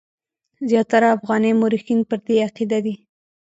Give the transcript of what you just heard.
زیاتره افغاني مورخین پر دې عقیده دي.